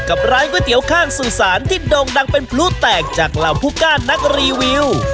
กับร้านก๋วยเตี๋ยวข้างสื่อสารที่โด่งดังเป็นพลุแตกจากเหล่าผู้ก้านนักรีวิว